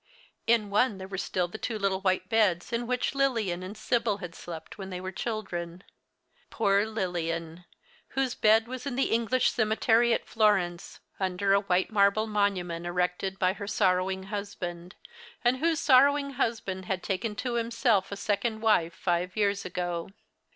In one there were still the two little white beds in which Lilian and Sibyl had slept when they were children; poor Lilian, whose bed was in the English cemetery at Florence, under a white marble monument erected by her sorrowing husband, and whose sorrowing husband had taken to himself a second wife five years ago.